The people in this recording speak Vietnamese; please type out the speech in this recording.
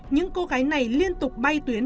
những cô gái này liên tục bay tuyến